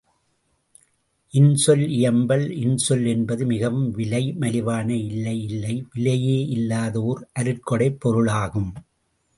இன்சொல் இயம்பல் இன்சொல் என்பது மிகவும் விலை மலிவான இல்லையில்லை விலையே இல்லாத ஓர் அருட்கொடைப் பொருளாகும்.